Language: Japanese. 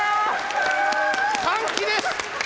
歓喜です！